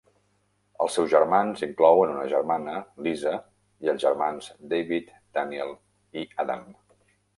Els seus germans inclouen una germana, Lisa, i els germans David, Daniel i Adam.